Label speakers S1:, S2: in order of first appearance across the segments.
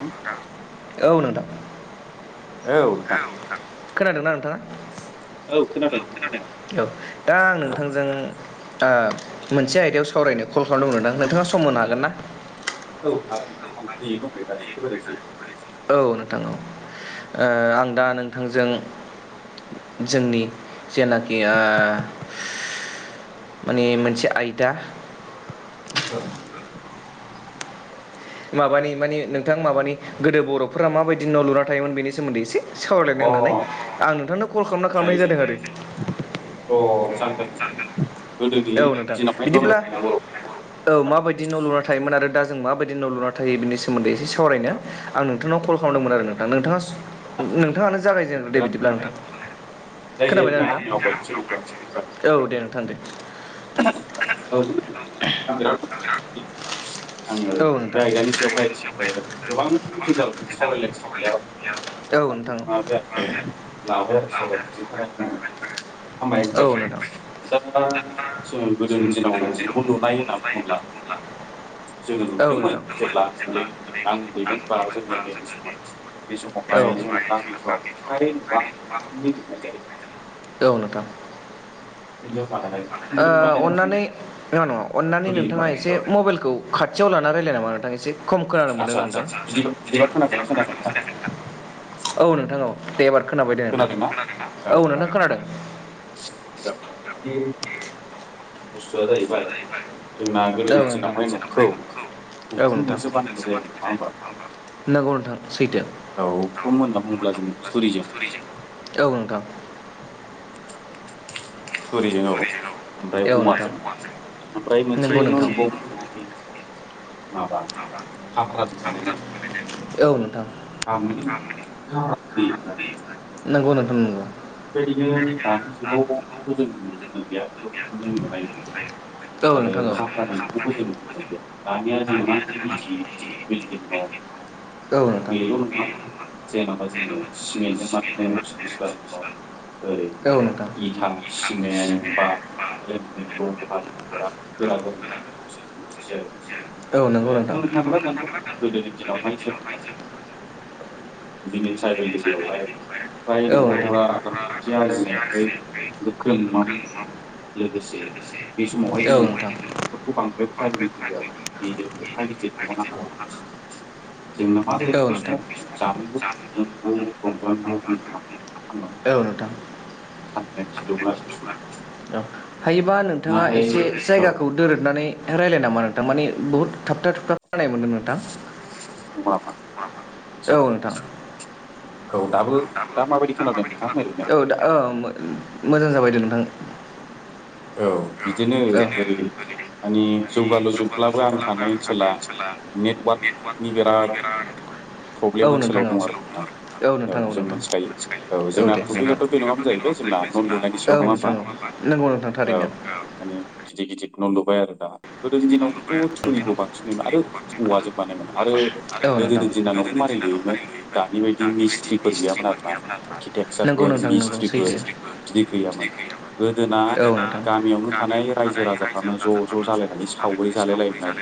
S1: औ
S2: [inaudible] औ नोंथां।
S1: औ दाब।
S2: खोनादोंना नोंथाङा? औ खोनादों औ दा आं नोंथांजों ओ मोनसे आयदायाव सावरायनो कल खालामदोंमोन आं नोंथाङा सम मोननो हागोन ना?
S1: औ आं [unintelligible]
S2: औ नोंथां औ ओ आं दा नोंथांजों जोंनि जेनाखि ओ माने मोनसे आयदा
S1: औ।
S2: माबानि मानि नोंथां माबानि गोदो बर'फोरा माबायदि न' लुना थायोमोन बेनि सोमोन्दै एसे सावरायलायनो
S1: औ
S2: होननानै
S1: अ
S2: आं नोंथांनो कलखौनो खालामनाय
S1: जायो
S2: जादों
S1: जायो
S2: आरो नोंथां।
S1: अ जागोन। गोदोनि
S2: औ नोंथां
S1: दिनावहाय न'
S2: बिदिब्ला
S1: लुनाय बर'फ्रा
S2: औ माबायदि न' लुना थायोमोन आरो दा जों माबायदि न' लुना थायो बिनि सोमोन्दै एसे सावरायनो
S1: औ
S2: आं नोंथांनाव कल खालामदोंमोन आरो नोंथा नोंथाङा सम
S1: आदसा आदसा
S2: नों-नोंथाङानो जागायदो
S1: बेथ'
S2: दे
S1: बिराद
S2: बिदिब्ला
S1: मोजां
S2: नोंथां।
S1: आयदा
S2: खोनाबाय ना
S1: जायखिजाया
S2: नों?
S1: नोंथां आंनो आवगायनोसै बिदिबा
S2: औ दे नोंथां दे ।
S1: [unintelligible] आङो बे
S2: औ नोंथां
S1: आयदानि सायावहाय ओ गोबां जिंगाब सावरायलायनो
S2: औ
S1: बेयाव
S2: नोंथां
S1: [unintelligible] लाबाय आरो सबाय बिनि थाखायनो आङो। हामबाय
S2: औ नोंथां
S1: होमबास दा [unintelligible] जिनाव द न' लुनाय होनना बुङोब्ला जोङो
S2: औ
S1: नुदोंमोन
S2: नोंथां
S1: जेब्ला आं
S2: नेक्स्ट
S1: उन्दैमोन बा उन्दैमोन बै समाव
S2: नेक्स्ट
S1: बे समावहाय जोंना गामिफ्राव फाय न'आ उखुमै लुनाय जायोमोन।
S2: औ नोथां।
S1: आरो
S2: ओ अननानै नङा नङा अननानै
S1: थुरिजों
S2: नोंथाङा
S1: बानायनाय
S2: एसे
S1: औ
S2: मबाइलखौ खाथियाव लाना रायजलायना हामोन नामा? नोंथां एसे खम खोनानो मोनदों
S1: आदसा आदसा
S2: नोंथां।
S1: बिदि बिदिबा खोनादोंना खोनायाखै नोंथां
S2: [unintelligible] औ नों थां औ। खोनाबायदे नोंथां। खोनादोंना? औ नोंथां खोनादों।
S1: औ बे
S2: [inaudible]
S1: बुस्थुआ जाहैबाय जोंना
S2: औ
S1: गोदोनि
S2: नोंथां
S1: दिनावहाय न'खौ
S2: औ नोंथां।
S1: उखुमजोंसो बानायनाय जायोमोन नङा होमबा
S2: [unintelligible] नंगौ नोंथां सैथो।
S1: औ उखुम होनना बुंब्ला जोंना थुरिजों
S2: औ नोंथां [inaudible]
S1: थुरिजों औ। ओमफ्राय
S2: औ नोंथां
S1: औवाजों ओमफ्राय मोनसे
S2: नंगौ
S1: न'
S2: नोंथां
S1: नुबावो बेनो जाहैबाय माबा हाग्राजों बानायनाय
S2: औ नोंथां
S1: न'। [unintelligible]
S2: नंगौ नोंथां नंगौ।
S1: बेबायदिनो
S2: औ
S1: [unintelligible] आरो
S2: नोंथां औ
S1: हाफ्रा न'खौबो जों नुयोमोन दानिया [unintelligible]
S2: औ नोंथां
S1: बेल' नङा जेनेबा जोङो सिमेन्टजों बानायनाय न' ओरै
S2: औ नोंथां
S1: इथा, सिमेन्ट बा ओरै लहाजों गोरा-गोरा [unintelligible]
S2: औ नंगौ नोंथां
S1: बुंनो थांग्रा नांगौ गोदोनि दिनावहाय सोरावबहा जोङो बिनि ट्राइबेल एरिययावहाय
S2: औ नोंथां
S1: फ्रायख'फ्रा रांखान्थि आरजियनायहाय गोख्रों लोगोसे बे समावहाय
S2: औ
S1: जोङो
S2: नोंथां
S1: न'खरखौ बांद्राय प्रायरिटि होआमोन। [unintelligible] जोंना मा
S2: औ नोंथां
S1: जायो? बे समाव जानांगौ जों रंजानांगौ उन्दुनांगौ थ
S2: [unintelligible] औ
S1: बे समाव
S2: हायोबा नोंथाङा
S1: नाथाय
S2: एसे
S1: औ
S2: जायगाखौ दोरोबनानै रायज्लाय नामा नोंथां माने बहुथ थाबथा-थुबथाब खानाय मोनदों नोंथां।
S1: नंगौ नामा आदसा
S2: औ नोंथां।
S1: औ दाबो दा माबायदि खोनादों नोंथां ओरैनो
S2: औ दा औ। मोजां जाबायदे नोंथां।
S1: औ बिदिनो ओरै
S2: औ
S1: माने। जौगालुजोबब्लाबो आं थानाय ओनसोला नेटवार्कनि बिराद
S2: औ
S1: प्रब्लेम
S2: नोंथां
S1: ओनसोलाव
S2: औ
S1: दं आरो नोंथां औ
S2: नोंथां
S1: जों
S2: नोंथां
S1: मिथिखायो औ जोंना
S2: दे नोंथां
S1: टपिकआथ' बे नङामोन जाहैबाय। जेनेबा न' लुनायनि
S2: औ
S1: सायाव नङा
S2: नोंथां
S1: होमबा?
S2: औ नंगौ नोंथां
S1: औ
S2: थारैनो
S1: माने गिदिर गिदिर न' लुबाय आरो दा। गोदोनि दिनावथ' थुरिखौ बांसिनयोमोन आरो औवाजों बानायोमोन आरो
S2: नोंथां औ नोंथां
S1: गोदोनि दिनाव न'खौ लुयोमोन दानि बायदि मिस्थ्रिफोर गैयामोन आरोना
S2: नंगौ
S1: आर्किटेक्सारफोर
S2: नोंथां नंगौ सैथो
S1: मिस्ट्रिफोर बिदि गैयामोन। गोदोना
S2: औ नोंथां
S1: गामियावनो थानाय रायजो राजाफ्रानो ज'-ज' जालायनानैसो सावगरि जालाय लायोमोन आरो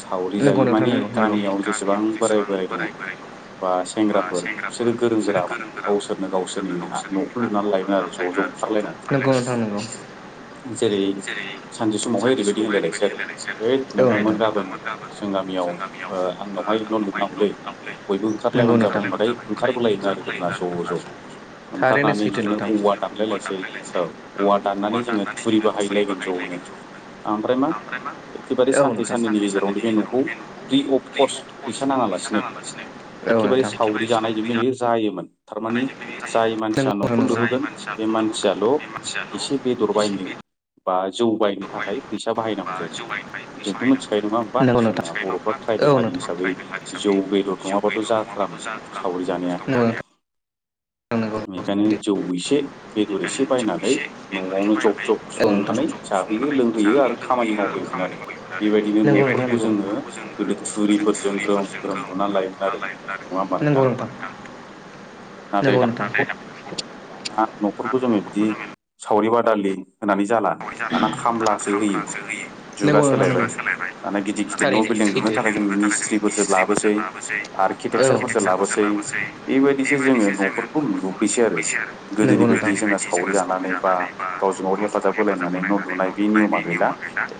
S1: सावगरि
S2: नंगौ
S1: जाय
S2: नोंथां
S1: माने
S2: नंगौ नंगौ नंगौ नोंथां
S1: गामियाव जेसेबां बोराइ - बोराइ दङ'। बा सेंग्राफोर
S2: नंगौ
S1: बिसोरो गोरों - गोरामोन गावसोरनो - गावसोरनि न'खौ लुनानै लायोन आरो ज' - ज'। खार जेरै सानसे समावहाय ओरैबायदि होलायलायसै स इ
S2: औ
S1: नोंथांमोन गाबोन
S2: नोंथां
S1: जों गामियाव आंनावहाय न' लुनांगौलै बयबो
S2: नंगौ
S1: ओंखारलायब्लानो जाबाय
S2: नोंथां
S1: होनबाथाय ओंखारबोलायोमोन आरो गोदोना ज'- ज'
S2: थारैनो
S1: ओंखारनानै
S2: सैथो
S1: बिदिनो
S2: नोंथां
S1: औवा दानलायलायसै औ औवा दाननानै जोङो फुरि बाहायलायगोन ज'नो आमफ्राय एखेबारे सानसे साननैनि गेजेरावनो बे न'खौ फ्रि अफ कस्ट फैसा नाङालासिनो
S2: औ
S1: एखेबारे
S2: नोंथां
S1: सावगरि जानायजोंनो बेयो जायोमोन। थारमानि जाय मानसिया न'खौर
S2: जा
S1: लुहोगोन बे मानसियाल' एसे बेदर बायनो बा जौ बायनो थाखाय
S2: नंगौ
S1: फैसा बाहायनांगौ
S2: नोंथां।
S1: जायोमोन
S2: औ
S1: जोंथ' मिथिखायो नङा
S2: नोंथां।
S1: होमबा जोंना
S2: जों
S1: बर'फ्रा हारि
S2: ट्राइबेल
S1: जौ
S2: हिसाबै
S1: बेदर नङाबाथ'
S2: जिउ
S1: जाथारामोन
S2: गायनो
S1: सावरि जानाया
S2: थङाबाथ' जाथ'
S1: बेखायनो जौ एसे, बेदर एसे बायनानै न'आवनो ज
S2: जज संनानै
S1: आरो
S2: ज
S1: खामानि
S2: लोंहोयो आरो
S1: मावहोयोमोन
S2: खामानि
S1: बेबायदिनो
S2: मावोमोन
S1: न'फोरखौ
S2: आरो
S1: जोङो गोदो थुरिफोरजों ग्रोम ग्रोम लुनानै लायोमोन आरो नङा होमबा
S2: नंगौ नोंथां। [unintelligible]
S1: नाथाय दाना न'खरखौ जोङो बिदि सावरि बादालि होनानै जाला दाना खामलासो होयो। जुगा
S2: नंगौ नोंथां
S1: सोलायबाय।
S2: नंगौ
S1: दाना गिदिर गिदिर न' बि लुनो थाखाय जों मिस्ट्रिफोरसो लाबोसै, आर्किटेकसारफोरसो लाबोसै, बेबायदिसो जोङो न'फोरखौ लुफैसै आरो गोदोनि बायदि जोंहा सावरि जानानै बा गावजों - गाव हेफाजाब नानै लुनाय बे निअमा गैलिया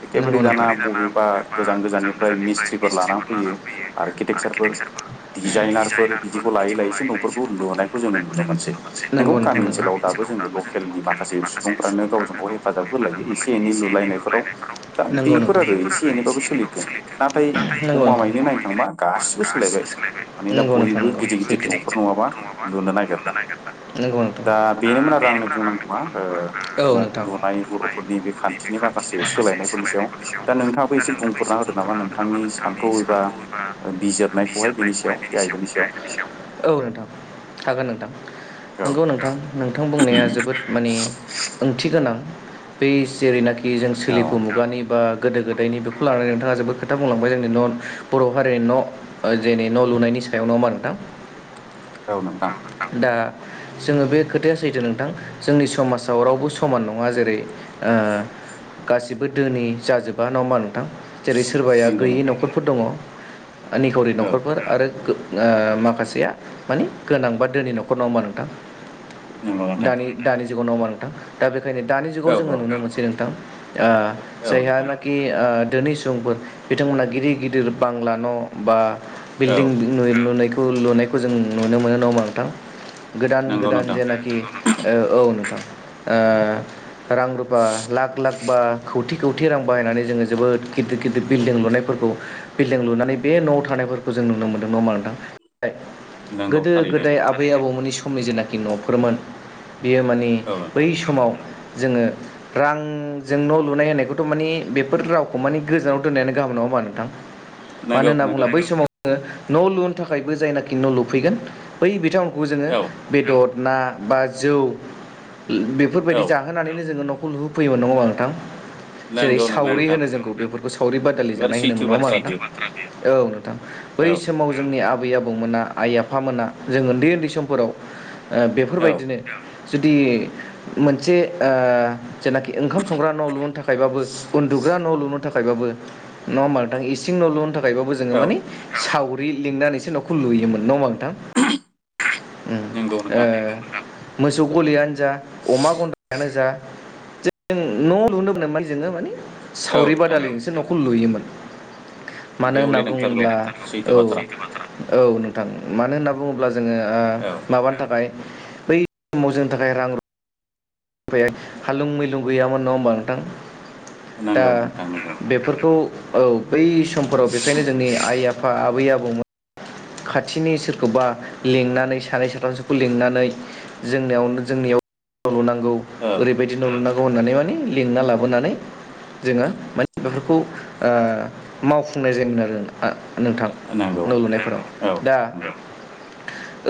S1: एखेबारे दाना बबेबा गोजाननिफ्राइ मिस्थ्रि लानानै फैयो। आरो केरेकतारफोर, दिजेनारफोर बिदिखौ लायै- लायैसो न'फोरखौ जों नुनो मोनसै नंगौ गामि ओनसोलाव दाबो जोङो लकेलनि माखासे सुबुंफ्रानो गाव - गाव हेफाजाब होलायो एसे एनै लुलायनायफोराव दा
S2: लुलायनायफोराव
S1: बेफोर आरो एसे एनैबाबो सोलिदों नाथाय गमा मायैनो नायनो थांबा गासिबो सोलायबाय माने दा
S2: नंगौ नोंथां
S1: बयबो
S2: नंगौ
S1: गिदिर गिदिर
S2: सैथो
S1: न'फोर नङाबा लुनो नागिरला
S2: नंगौ नोंथां
S1: दा बेनोमोन आरो आंनो बुंनांगौआ न' लुनाय
S2: लाय बर'फोरनि बे खान्थिनि माखासे सोलायनायफोरनि सायाव दा नोंथांआबो एसे बुंफोरना होगोन नामा नोंथां आंनि सानथौ एबा बिजिरनायावहाय बिनि सायाव बे आयदानि सायाव औ नोंथां हागोन नोंथां
S1: औ
S2: नंगौ नोंथां नोंथां बुंनाया जोबोद माने ओंथि गोनां बै जेरैनाखि जों
S1: औ
S2: सोलिफु मुगानि बा गोदो गोदायनि बेखौ लानानै नोंथाङा जोबोद खोथा बुंलांबाय जोंनि न' बर' हारिनि न' जेनि न' लुनायनि सायाव नङा हमबा नोंथां ओ नोंथां दा जोंङो बे खोथाया सैथो नोंथां जोंनि समाजाव रावबो समान नङा जेरै गासिबो धोनि जाजोबा नङा हमबा नों जेरै सोरबाया
S1: नंगौ
S2: गैयि
S1: नोंथां
S2: न'खरफोर दङ। आ निखावरि
S1: औ
S2: न'खरफोर आरो माखासेया मानि गोनां बा दोनि न'खर नङा हमबा नोंथां।
S1: नंगौ नोंथां
S2: दानि दानि जुगाव नङा हमबा नोंथां दा बेखायनो दानि जुगाव
S1: औ
S2: जोंङो
S1: औ
S2: नुनो मोनसै नोंथां। ओ
S1: औ नोंथां
S2: जायहानाखि दोनि सुबुंफोर बिथांमोना गिदिर गिदिर बांला न' बा
S1: औ
S2: बिल्डिं लुनायखौ लुनायखौ जों नुनो मोनो नङा हमबा नोंथां। गोदान
S1: नंगौ
S2: गोदान
S1: नोंथां
S2: जेनाखि औ नोंथां रां रुपा लाख लाख बा खौथि खौथि रां बाहायनानै जोंङो जोबोद गिदिर गिदिर बिल्डिं लुनाय फोरखौ बिल्डिं लुनानै बे न'आव थानायफोरखौ जों नुनो मोनदों नङा हमबा नोंथां।
S1: नंगौ
S2: गोदो
S1: थारैनो
S2: गोदाय आबै आबौमोननि समनि जेनाखि न'फोरमोन। बियो माने
S1: औ
S2: बै
S1: नोंथां
S2: समाव जोंङो रांजों न' लुनाय होनायखौथ' मानि बेफोर रावखौ मानि गोजानाव दोननायानो गाम नं नोंथां मानो
S1: नंगौ
S2: होनना बुङोब्ला
S1: नंगौ
S2: बै समाव जोंङो न' लुनो थाखायबो जायनाखि न' लुफैगोन बै बिथां जोङो
S1: औ
S2: बेदर ना बा जौ
S1: औ
S2: बेफोरबायदि जोंङो नखौ लुहो फैयोमोन नङा हमबा नोंथां। जेरै
S1: नंगौ नंगौ
S2: सावरि
S1: नोंथां
S2: होनो जोंखौ बेफोरखौ सावरि बादालि
S1: एबारे
S2: जानाय होनो
S1: सैथो
S2: नङा हमबा
S1: बाथ्रा
S2: नोंथां
S1: बेयो
S2: औ नोंथां बै
S1: औ
S2: समाव जोंनि आबै आबौमोना आइ आफाोना जों उन्दै उन्दै समफोराव
S1: औ
S2: बेफोरबायदिनो जुदि मोनसे मोनसे ओ जेनाखि ओंखाम संग्रा न' लुनो थाखायबाबो उन्दुग्रा न' लुनो थाखायबाबो नङा होमबा नोंथां इसिं न' लुनो थाखा गायबाबो जोंङो
S1: औ
S2: मानि सावरि लिंनानैसो न'खौ लुयोमोन। नङा हमबा नोंथां?
S1: नंगौ नोंथां
S2: ओम मोसौ गलियानो जा अमा गन्द्रायानो जा जों न' लुनो [unintelligible] जोङो माने
S1: औ
S2: सावरि
S1: नोंथां औ
S2: बादालिजोंसो न'खौ लुयोमोन। मानो
S1: बेयाव
S2: होनना
S1: लिरनांथारगौ
S2: बुङोब्ला
S1: सैथो
S2: औ
S1: बाथ्रा
S2: औ नोंथां मानो होनना बुङोब्ला जोंङो ओ
S1: औ
S2: माबानि थाखाय बै समाव जोंनि थाखाय रां रु हालुं मैलुं गैयामोन नङा होमबा नोंथां दा
S1: नंगौ नोंथां नंगौ
S2: बेफोरखौ औ बै समफोराव बेखायनो जोंनि आइ आफा आबै आबौमोन खाथिनि सोरखौबा लिंनानै सानै साथामसोखौ लिंनानै जोंनियावनो जोंनियाव न' लुनांगौ
S1: औ
S2: ओरैबायदि न' लुनांगौ होननानै माने लिंना लाबोनानै जोंङो माने बेफोरखौ मावफुंनाय जायोमोन आरो नोंथां
S1: नंगौ
S2: न' लुनायफोराव
S1: औ
S2: दा
S1: नंगौ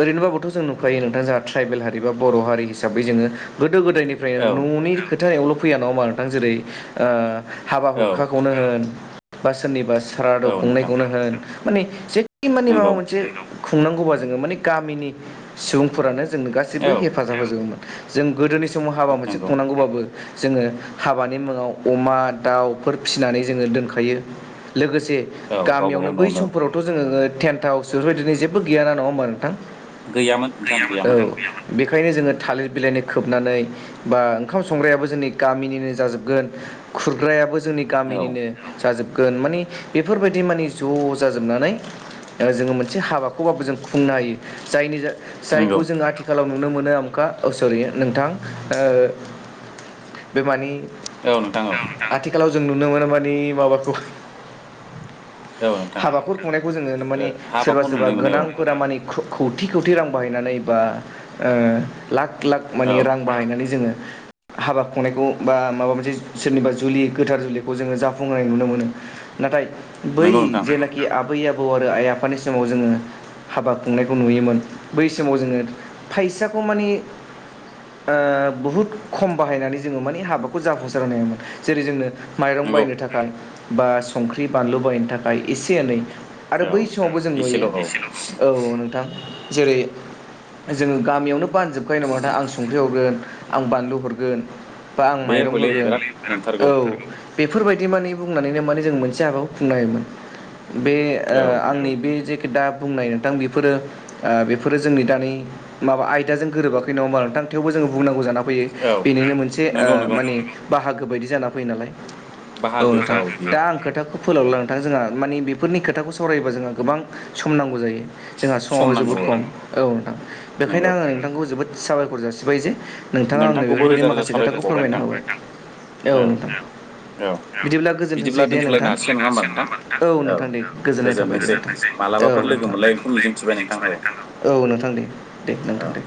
S2: ओरैनोबाबोथ' जों नुखायो नोंथां जोंहा ट्राइबेल हारि बा बर' हारि हिसाबै जोंङो गोदो
S1: औ
S2: गोदायनिफ्रायनो न'नि खोथायावल' फैया नङा होमबा नोंथां जेरै ओ हाबा
S1: औ
S2: हुखाखौनो होन बा सोरनिबा सारादु
S1: औ नोंथां
S2: खुंनायखौनो होन माने जेखि खामानि माव
S1: नंगौ
S2: खुंनांगौबा जोंङो माने गामिनि सुबुंफोरानो जोंनो गासैबो
S1: औ
S2: हेफाजाब होजोबोमोन। जों गोदोनि समाव हाबा मोनसे
S1: नंगौ
S2: खुंनांगौबाबो जोंङो हाबानि मुङाव अमा दाउफोर फिसिनानै जोंङो दोनखायो लोगोसे
S1: औ गावबा गाव
S2: गामियावनो बै
S1: न'आवनो
S2: समफोरावथ' जोंङो टेन्ट हाउसफोरबायदिनो जेबो गैयाना नङा होमबा नोंथां गैयामोन औ बेखायनो जोङो थालिर बिलाइनि खोबनानै बा ओंखाम संग्रायाबो जोंनि गामिनिनो जाजोबगोन । खुरग्रायाबो जोंनि
S1: औ
S2: गामिनिनो जाजोबगोन बेफोरबायदि माने ज' जाजोबनानै जोङो मोनसे हाबाखौबाबो जों खुंनो हायो जायनि
S1: नंगौ
S2: जायखौ जों आथिखालाव नुनो मोनो [unintelligible] नोंथां बेमानि
S1: औ नोंथां औ
S2: आथिखालाव जों नुनो मोनो मानि माबाखौ
S1: औ नोंथां
S2: हाबाफोर खुंनायखौ जोङो
S1: ओ
S2: माने सोरबा
S1: हाबाखौ
S2: सोरबा
S1: नुनो मोनो औ औ
S2: गोनांफोरा मानि खौथि खौथि रां बाहायनानै बा लाख लाख
S1: औ
S2: मानि रां बाहायनानै जोङो [unintelligible] हाबा खुंनायखौ बा माबा मोनसे सोरनिबा जुलि गोथार जुलिखौ जोङो जाफुंहोनाय नुनो मोनो नाथाय
S1: नोंगौ नोंथां
S2: जानाखि आबै आबौ आरो आइ आफानि समाव जोङो हाबा खुंनायखौ नुयोमोन बै समाव जोङो फैसाखौ माने बहुद खम बाहायनानै जोङो माने हाबाखौ जाफुंसार होनो हायोमोन जेरै जोंनो माइरं
S1: नंगौ
S2: बायनो थाखाय बा संख्रि बानलु बायनो थाखाय एसे एनै आरो
S1: औ
S2: बै समावबो जों नुयो
S1: एसेल' औ
S2: औ नोंथां जेरै जोङो गामियावनो बानजोबखायो नामा आं संख्रि हरगोन आं बानलु हरगोन बा आं
S1: बे
S2: माइरं
S1: हले
S2: होगोन
S1: बिराद नंथारगौ
S2: औ बेफोरबायदि माने बुंनानैनो माने जों मोनसे हाबाखौव खुंनो हायोमोन बे
S1: औ नंगौ
S2: आंनि बे जे दा बुंनाय नोंथां बेफोरो बेफोरो जोंनि दानि माबा आयदाजों गोरोबाखै नङा होमबा नोंथां थेवबो जों बुंनांगौ जाना फैयो
S1: औ
S2: बेनिनो मोनसे
S1: नंगौ नंगौ
S2: माने बाहागो बायदि जाना फैयो नालाय औ
S1: बाहागोखा
S2: नोंथां
S1: बियो
S2: दा आं खोथाखौ फोलावला नोंथां जोंहा माने बेफोरनि खोथाखौ सावरायबा जोंहा गोबां सम नांगौ जायो जोंहा
S1: सम
S2: समाबो
S1: नांगौ
S2: जोबोद
S1: औ
S2: खम औ नोंथां बेनिखायनो
S1: नंगौ
S2: आङो नोंथांखौ जोबोद साबायखर जासिबाय जे नोंथाङा आंनो
S1: नोंथांखौबो
S2: बेफोरबायदि
S1: रोजा रोजा
S2: माखासे
S1: साबायखर
S2: खोथाखौ
S1: बावबाय
S2: फोरमायना
S1: नोंथां
S2: होबाय औ नोंथां
S1: औ
S2: बिदिब्ला गोजोनथोंसै
S1: बिदिब्ला
S2: दे
S1: दोनथ'लायनो
S2: नोंथां
S1: हासिगोन नङा होमबा नोंथां
S2: औ
S1: औ
S2: नोंथां दे गोजोननाय थाबाय द
S1: गोजोनथोंसै
S2: नोंथां औ
S1: मालाबाफोर लोगो
S2: नोंथां
S1: मोनलायगोनखौ मिजिंथिबाय नोंथां औ
S2: औ नोंथां दे दे नोंथां
S1: औ
S2: दे